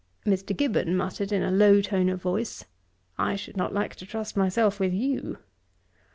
Mr. Gibbon muttered, in a low tone of voice. 'I should not like to trust myself with you.'